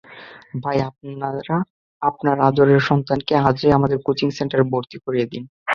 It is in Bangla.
তাই আপনার আদরের সন্তানকে আজই আমাদের কোচিং সেন্টারে ভর্তি করিয়ে দিন।